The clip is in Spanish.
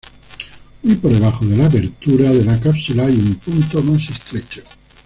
Muy por debajo de la abertura de la cápsula hay un punto más estrecho.